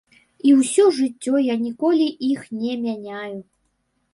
І ўсё жыццё я ніколі іх не мяняю.